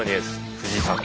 藤井さん